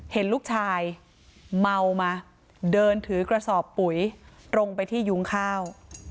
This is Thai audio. เห็นลูกชายเมามาเดินถือกระสอบปุ๋ยตรงไปที่ยุ้งข้าว